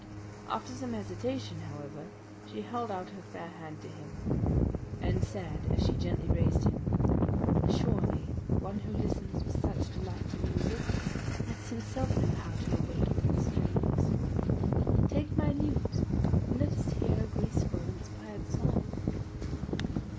After some hesitation, however, she held out her fair hand to him, and said as she gently raised him: "Surely one who listens with such delight to music must himself know how to awaken its strains. Take my lute, and let us hear a graceful inspired song."